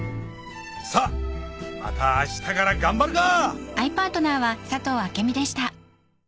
さぁまたあしたから頑張るか！